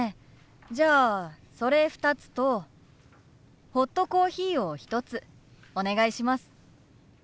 じゃあそれ２つとホットコーヒーを１つお願いします。